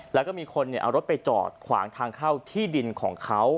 แล้วก็มีคนเอารถไปจอดขวางทางเข้าที่ดินของเขา